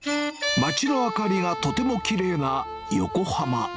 街の明かりがとてもきれいな横浜。